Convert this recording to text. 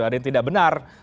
ada yang tidak benar